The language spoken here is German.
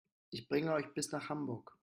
Ich bringe euch bis nach Hamburg